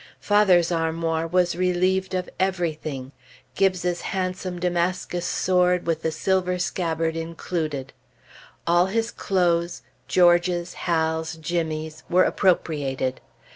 Father's armoir was relieved of everything; Gibbes's handsome Damascus sword with the silver scabbard included. All his clothes, George's, Hal's, Jimmy's, were appropriated.